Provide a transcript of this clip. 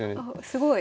すごい。